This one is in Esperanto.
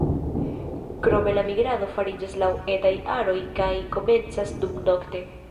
Krome la migrado fariĝas laŭ etaj aroj kaj komencas dumnokte.